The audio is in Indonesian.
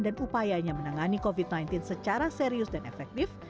dan upayanya menangani covid sembilan belas secara serius dan efektif